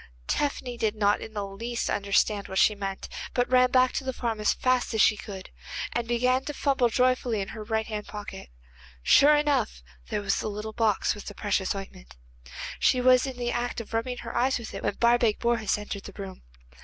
Tephany did not in the least understand what she meant, but ran back to the farm as fast as she could, and began to fumble joyfully in her right hand pocket. Sure enough, there was the little box with the precious ointment. She was in the act of rubbing her eyes with it when Barbaik Bourhis entered the room.